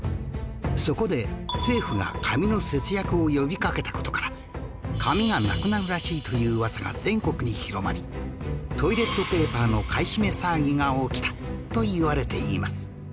そこで政府が紙の節約を呼びかけた事から紙がなくなるらしいという噂が全国に広まりトイレットペーパーの買い占め騒ぎが起きたといわれています